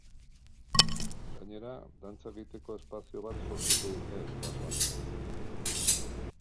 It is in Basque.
Gainera, dantza egiteko espazio bat sortuko dute, basoan.